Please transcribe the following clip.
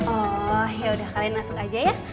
oh wah yaudah kalian masuk aja ya